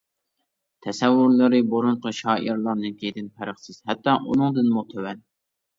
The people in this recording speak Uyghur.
تەسەۋۋۇرلىرى بۇرۇنقى شائىرلارنىڭكىدىن پەرقسىز، ھەتتا ئۇنىڭدىنمۇ تۆۋەن.